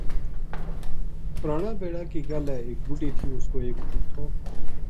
پرانا بِڑا کی گل ہے ایک بُڈھی تھی اُس کو ایک پوت تھو